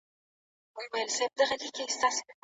د ژوند اسانتیاوي باید کلیو ته هم ورسیږي.